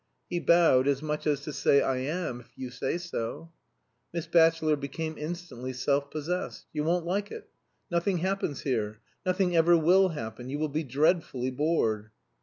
He bowed, as much as to say, "I am, if you say so." Miss Batchelor became instantly self possessed. "You won't like it. Nothing happens here; nothing ever will happen. You will be dreadfully bored."